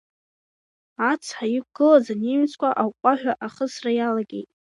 Ацҳа иқәгылаз анемеццәа аҟәҟәаҳәа ахысра иалагеит.